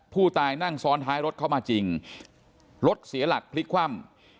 ผู้ตายนั่งซ้อนท้ายรถเข้ามาจริงรถเสียหลักพลิกคว่ำ